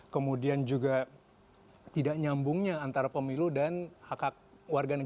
kemudian juga tidak nyambungnya antara pemilu dan hkkm